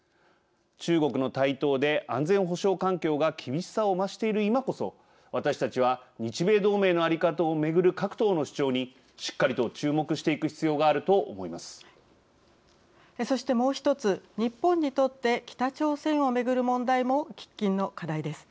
中国の台頭で安全保障環境が厳しさを増している今こそ私たちは日米同盟の在り方をめぐる各党の主張にしっかりと注目していく必要がそしてもう一つ日本にとって北朝鮮をめぐる問題も喫緊の課題です。